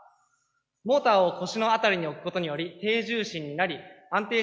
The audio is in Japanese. モーターを腰の辺りに置くことにより低重心になり安定しました。